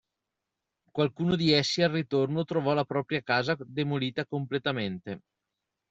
Qualcuno di essi al ritorno trovò la propria casa demolita completamente.